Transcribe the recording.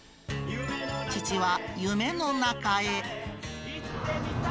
父は夢の中へ。